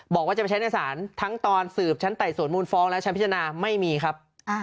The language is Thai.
บอกว่าจะไปใช้ในศาลทั้งตอนสืบชั้นไต่สวนมูลฟ้องและชั้นพิจารณาไม่มีครับ